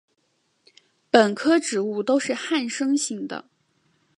本科植物都是旱生型的。